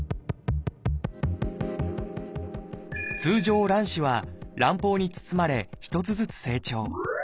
通常卵子は卵胞に包まれ一つずつ成長。